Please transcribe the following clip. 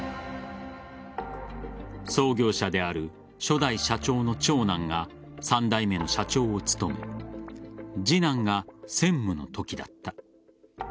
創業者である初代社長の長男が３代目の社長を務め次男が専務のときだった。